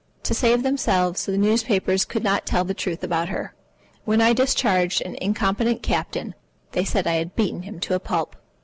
To save themselves, the newspapers could not tell the truth about her. When I discharged an incompetent captain, they said I had beaten him to a pulp.